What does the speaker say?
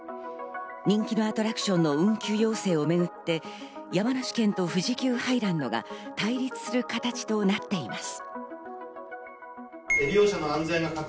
人気のアトラクションの運休要請をめぐって山梨県と富士急ハイランドが対立する形となっています。